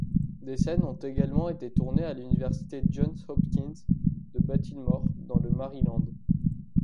Des scènes ont également été tournées à l'université Johns-Hopkins de Baltimore dans le Maryland.